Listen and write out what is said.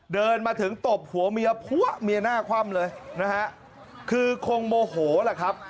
เดินมาถึงตบหัวเมียพัวเมียหน้าคว่ำเลยนะฮะคือคงโมโหแหละครับ